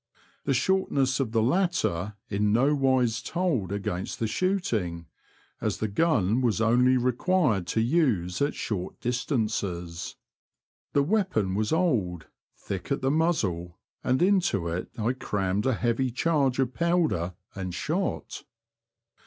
The shortness of the latter in nowise told against the shooting, as the gun was only required to use at short distances. The weapon was old, thick at the muzzle, and into it I crammed a heavy The Confessions of a T^oacher. 53 charge of powder and shot.